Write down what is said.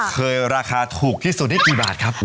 เคยราคาถูกที่สุดนี่กี่บาทครับ